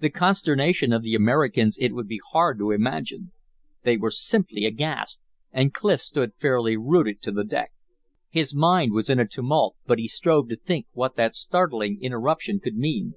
The consternation of the Americans it would be hard to imagine. They were simply aghast, and Clif stood fairly rooted to the deck. His mind was in a tumult, but he strove to think what that startling interruption could mean.